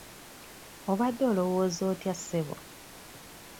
Obadde olowooza otya ssebo?